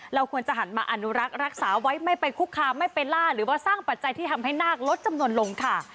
เราควรจะหันมาอนุรักษ์รักษาไว้ไม่ไปคุกคามไม่ไปล่าหรือว่าสร้างปัจจัยที่ทำให้นาคลดจำนวนลงค่ะ